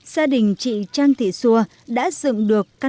gia đình chị trang thị xua đã dựa